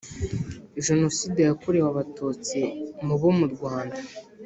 Jenoside yakorewe Abatutsi mu bo mu rwanda